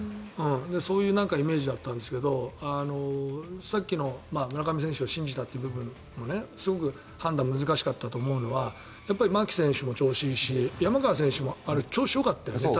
そういうイメージだったんだけどさっきの村上選手を信じたという部分もすごく判断が難しかったと思うのは牧選手も調子がいいし山川選手も調子よかったよね。